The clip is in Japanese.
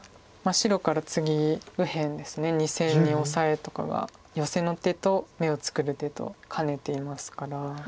白から次右辺ですね２線にオサエとかがヨセの手と眼を作る手とを兼ねていますから。